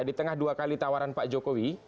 di tengah dua kali tawaran pak jokowi